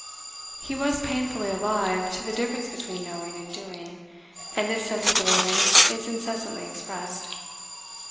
He was painfully alive to the difference between knowing and doing, and this sensibility is incessantly expressed.